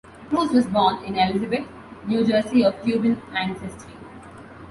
Cruz was born in Elizabeth, New Jersey of Cuban ancestry.